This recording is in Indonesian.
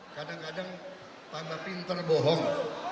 kadang kadang tambah pinter bohong